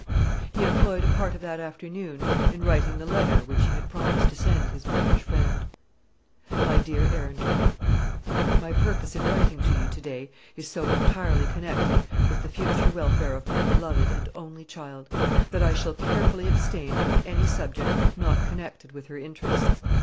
He employed a part of that afternoon in writing the letter which he had promised to send to his boyish friend: "MY DEAR ARUNDEL, "My purpose in writing to you to day is so entirely connected with the future welfare of my beloved and only child, that I shall carefully abstain from any subject not connected with her interests.